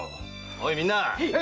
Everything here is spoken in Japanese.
おいみんな！